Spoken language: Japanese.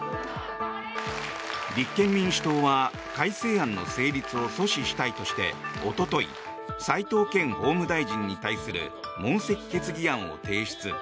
立憲民主党は改正案の成立を阻止したいとしておととい齋藤健法務大臣に対する問責決議案を提出。